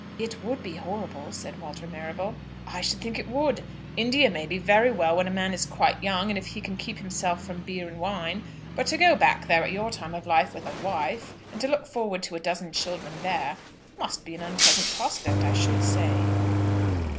"It would be horrible," said Walter Marrable. "I should think it would. India may be very well when a man is quite young, and if he can keep himself from beer and wine; but to go back there at your time of life with a wife, and to look forward to a dozen children there, must be an unpleasant prospect, I should say."